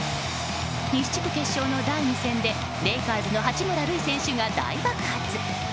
西地区決勝の第２戦でレイカーズの八村塁選手が大爆発。